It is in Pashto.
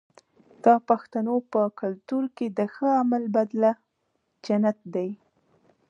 د پښتنو په کلتور کې د ښه عمل بدله جنت دی.